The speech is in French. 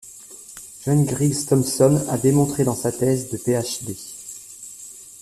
John Griggs Thompson a démontré dans sa thèse de Ph.D.